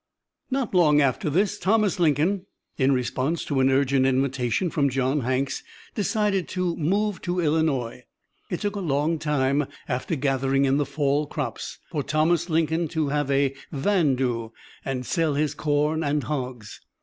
Not long after this Thomas Lincoln, in response to an urgent invitation from John Hanks, decided to move to Illinois. It took a long time, after gathering in the fall crops, for Thomas Lincoln to have a "vandoo" and sell his corn and hogs.